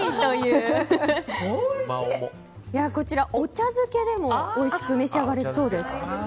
こちら、お茶漬けでもおいしく召し上がれるそうです。